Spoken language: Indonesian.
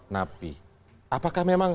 napi apakah memang